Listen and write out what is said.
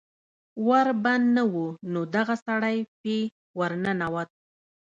ور بند نه و نو دغه سړی پې ور ننوت